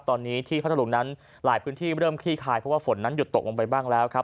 ตอนนี้ที่พัทธรุงนั้นหลายพื้นที่เริ่มคลี่คลายเพราะว่าฝนนั้นหยุดตกลงไปบ้างแล้วครับ